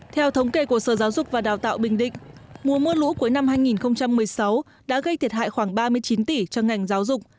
theo thống kê của sở giáo dục và đào tạo bình định mùa mưa lũ cuối năm hai nghìn một mươi sáu đã gây thiệt hại khoảng ba mươi chín tỷ cho ngành giáo dục